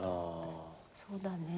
そうだね。